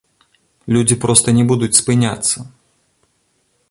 Людзі проста не будуць спыняцца!